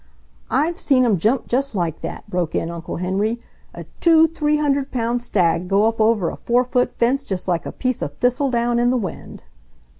"I've seen 'em jump just like that," broke in Uncle Henry. "A two three hundred pound stag go up over a four foot fence just like a piece of thistledown in the wind."